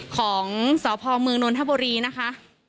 ของสพเมืองนนทบุรีนะคะ